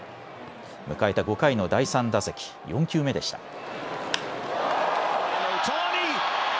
迎えた５回の第３打席、４球目でした。